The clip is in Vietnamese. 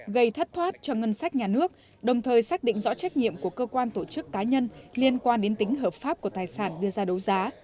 gây thất thoát cho ngân sách nhà nước đồng thời xác định rõ trách nhiệm của cơ quan tổ chức cá nhân liên quan đến tính hợp pháp của tài sản đưa ra đấu giá